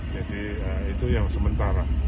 jadi itu yang sementara